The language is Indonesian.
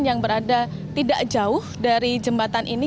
yang berada tidak jauh dari jembatan ini